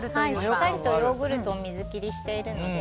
しっかりとヨーグルトを水切りしているので。